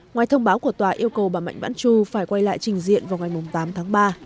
ngoài thông báo của tòa yêu cầu bà mạnh vãn chu phải quay lại trình diện vào ngày tám tháng ba